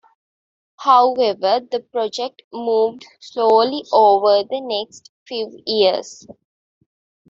However the project moved slowly over the next few years.